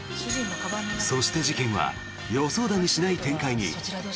そして事件は予想だにしない展開に。